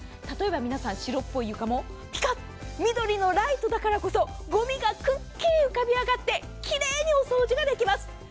例えば皆さん白っぽい床もピカッ、緑のライトだからこそ、ごみがくっきり浮かび上がって、きれいにお掃除ができます。